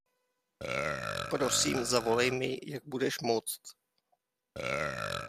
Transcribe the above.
Prosím, zavolej mi, jak budeš moct.